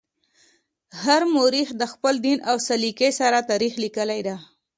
هر مورخ د خپل دین او سلیقې سره تاریخ لیکلی دی.